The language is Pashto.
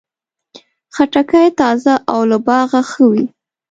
خټکی تازه او له باغه ښه وي.